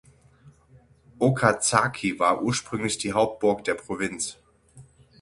Okazaki war ursprünglich die Hauptburg der Provinz.